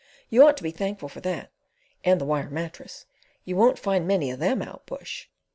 You ought to be thankful for that and the wire mattress. You won't find many of them out bush."